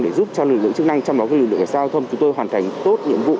để giúp cho lực lượng chức năng trong đó có lực lượng để sao thông chúng tôi hoàn thành tốt nhiệm vụ